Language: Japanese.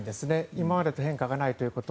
今までと変化がないということ。